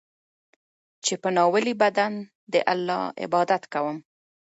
چې په ناولي بدن د الله عبادت کوم.